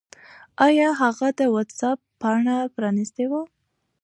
آیا هغه د وټس-اپ پاڼه پرانستې وه؟